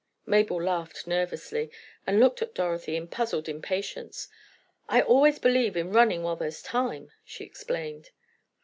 Mabel laughed nervously, and looked at Dorothy in puzzled impatience. "I always believe in running while there's time," she explained.